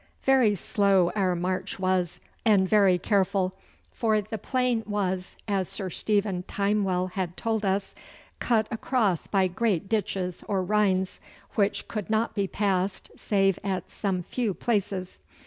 Very slow our march was, and very careful, for the plain was, as Sir Stephen Timewell had told us, cut across by great ditches or rhines, which could not be passed save at some few places.